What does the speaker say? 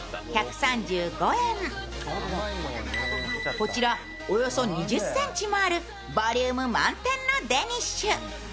こちらおよそ２０ｃｍもあるボリューム満点のデニッシュ。